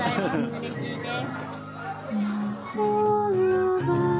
うれしいです。